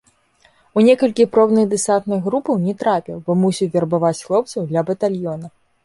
У некалькі пробных дэсантных групаў не трапіў, бо мусіў вербаваць хлопцаў для батальёна.